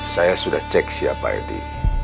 saya sudah cek siapa edi